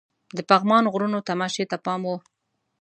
د پغمان غرونو تماشې ته پام وو.